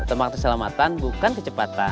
tempat keselamatan bukan kecepatan